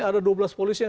kita sudah mengundang